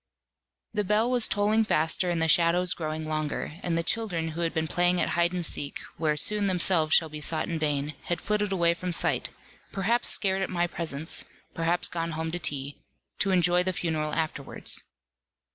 The bell was tolling faster, and the shadows growing longer, and the children who had been playing at hide and seek, where soon themselves shall be sought in vain, had flitted away from sight, perhaps scared at my presence, perhaps gone home to tea, to enjoy the funeral afterwards.